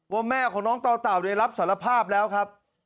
แม่ของน้องต่อเต่าได้รับสารภาพแล้วครับ